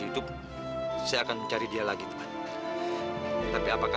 tuhan true kerja tak nerede